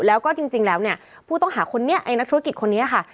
แล้วก็จริงแล้วเนี่ยผู้ต้องหาคนนี้ไอ้นักธุรกิจคนนี้ค่ะ